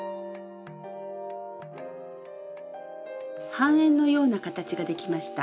半円のような形ができました。